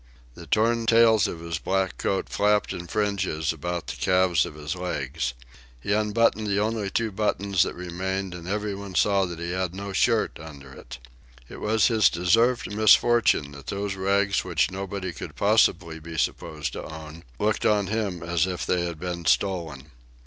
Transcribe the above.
The torn tails of his black coat flapped in fringes about the calves of his legs. He unbuttoned the only two buttons that remained and every one saw that he had no shirt under it. It was his deserved misfortune that those rags which nobody could possibly be supposed to own looked on him as if they had been stolen.